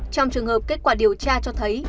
trong trường hợp kết quả điều tra cho thấy